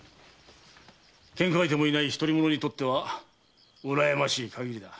ケンカ相手もいない独り者にはうらやましい限りだ。